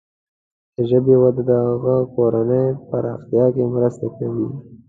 د ژبې وده د هغه کارونې پراختیا کې مرسته کوي.